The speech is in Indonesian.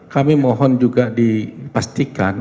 kami mohon juga dipastikan